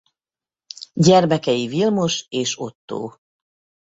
Gyermekei Vilmos és Ottó.